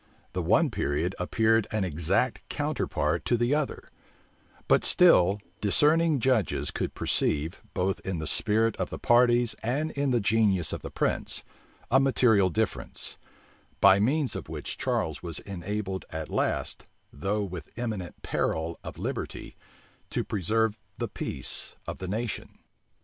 The one period appeared an exact counterpart to the other: but still discerning judges could perceive, both in the spirit of the parties and in the genius of the prince, a material difference; by means of which Charles was enabled at last, though with the imminent peril' of liberty, to preserve the peace of the nation.